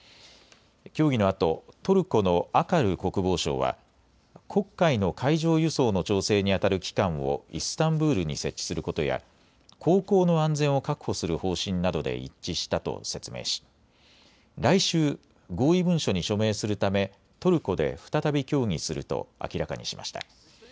協議のあとトルコのアカル国防相は黒海の海上輸送の調整にあたる機関をイスタンブールに設置することや航行の安全を確保する方針などで一致したと説明し来週、合意文書に署名するためトルコで再び協議すると明らかにしました。